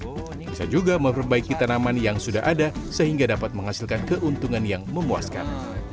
bisa juga memperbaiki tanaman yang sudah ada sehingga dapat menghasilkan keuntungan yang memuaskan